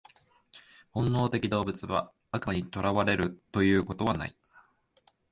本能的動物は悪魔に囚われるということはない。